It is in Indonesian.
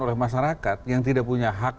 oleh masyarakat yang tidak punya hak